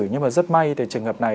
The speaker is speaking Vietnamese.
nhưng mà rất may trường hợp này